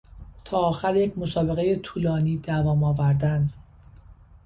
تا آخر یک مسابقهی طولانی دوام آوردن